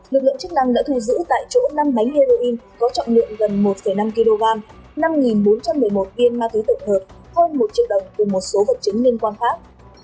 lực lượng chức năng đã thu giữ tại chỗ năm bánh heroin có trọng lượng gần một năm kg năm bốn trăm một mươi một viên ma túy tổng hợp hơn một triệu đồng cùng một số vật chứng liên quan khác